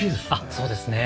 そうですね。